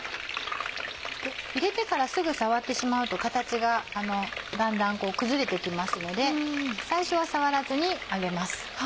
入れてからすぐ触ってしまうと形がだんだん崩れて行きますので最初は触らずに揚げます。